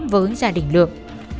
với gia đình lượng